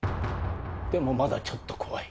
でもまだちょっと怖い。